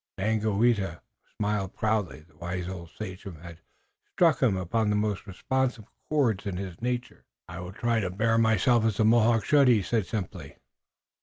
Daganoweda smiled proudly. The wise old sachem had struck upon the most responsive chords in his nature. "I will try to bear myself as a Mohawk should," he said simply.